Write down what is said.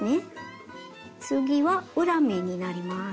次は裏目になります。